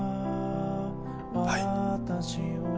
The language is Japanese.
はい。